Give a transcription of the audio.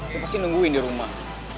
aku pasti nungguin di rumah